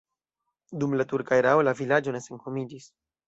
Dum la turka erao la vilaĝo ne senhomiĝis.